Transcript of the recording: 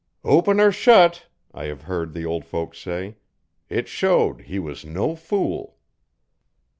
'Open or shet,' I have heard the old folks say, 'it showed he was no fool.'